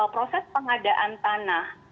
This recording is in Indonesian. proses pengadaan tanah